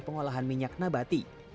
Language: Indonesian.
pengolahan minyak nabati